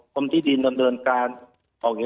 กลมทิศดินนำเนินจากการ